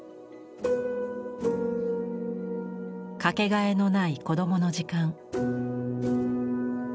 掛けがえのない子どもの時間。